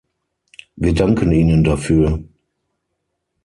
Wir danken Ihnen dafür.